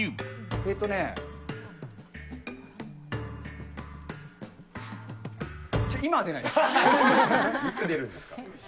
えっとね、いつ出るんですか。